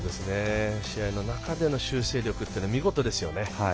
試合の中での修正力は見事です。